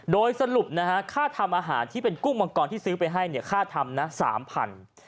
โดยสรุปค่าทำอาหารที่เป็นกุ้งมังกรที่ซื้อไปให้ค่าทำ๓๐๐๐บาท